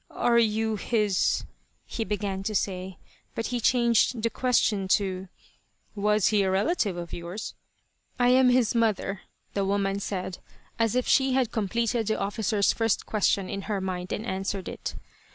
"Are you his ?" he began to say. But he changed the question to, "Was he a relative of yours?" "I am his mother," the woman said, as if she had completed the officer's first question in her mind and answered it.